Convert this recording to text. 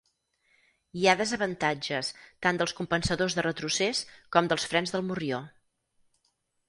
Hi ha desavantatges tant dels compensadors de retrocés com dels frens del morrió.